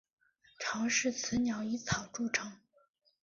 巢是由雌鸟以草筑成。